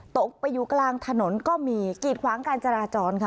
ตกไปอยู่กลางถนนก็มีกีดขวางการจราจรค่ะ